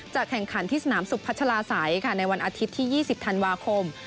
แข่งขันที่สนามสุพัชลาศัยในวันอาทิตย์ที่๒๐ธันวาคม